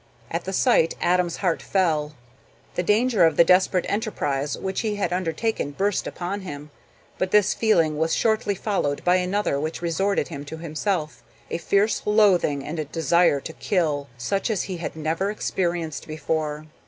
At the sight Adam's heart fell; the danger of the desperate enterprise which he had undertaken burst upon him. But this feeling was shortly followed by another which restored him to himself a fierce loathing, and a desire to kill, such as he had never experienced before.